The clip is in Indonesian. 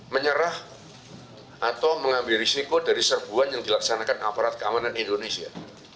menyerah atau mengambil risiko dari serbuan yang dilaksanakan aparat keamanan indonesia